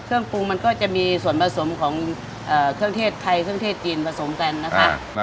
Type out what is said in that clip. เครื่องปรุงมันก็จะมีส่วนผสมของเครื่องเทศไทยเครื่องเทศจีนผสมกันนะคะ